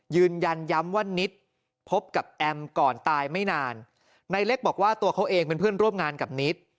ยืนยันย้ำว่านิดพบกับแอมก่อนตายไม่นานนายเล็กบอกว่าตัวเขาเองเป็นเพื่อนร่วมงานกับนิด